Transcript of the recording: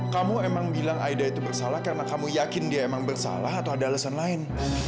kamu emang bilang aida itu bersalah karena kamu yakin dia emang bersalah atau ada alasan lain